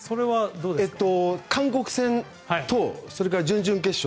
韓国戦と準々決勝